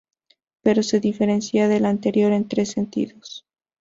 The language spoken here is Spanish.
Pero se diferencia de la anterior en tres sentidos.